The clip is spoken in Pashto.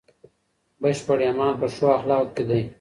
بشپړ ایمان په ښو اخلاقو کې دی.